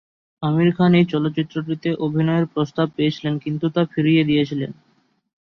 আমিন খান এই চলচ্চিত্রটিতে অভিনয়ের প্রস্তাব পেয়েছিলেন, কিন্তু তা ফিরিয়ে দিয়েছিলেন।